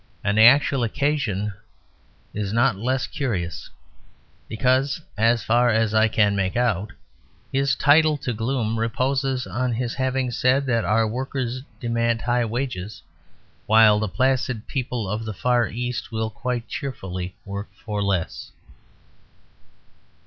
And the actual occasion is not less curious; because, as far as I can make out, his title to gloom reposes on his having said that our worker's demand high wages, while the placid people of the Far East will quite cheerfully work for less.